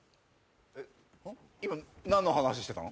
えっ今何の話してたの？